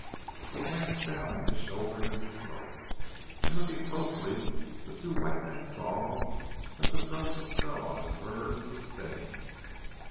He glanced down at his shoulder as he spoke, and looking closely the two white men saw that the frozen snow on his furs was stained.